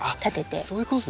そういうことですね。